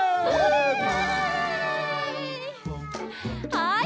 はい！